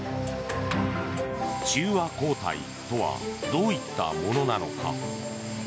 中和抗体とはどういったものなのか。